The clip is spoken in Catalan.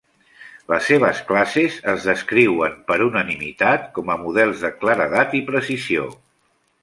Les seves classes es descriuen per unanimitat com a models de claredat i precisió.